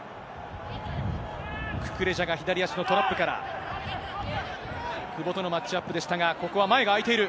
ククレジャが左足のトラップから、久保とのマッチアップでしたが、ここは前が空いている。